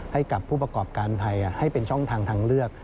ให้กับผู้ประกอบการไทยให้เป็นช่องทางทางเลือก